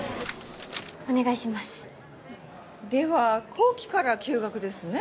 後期から休学ですね？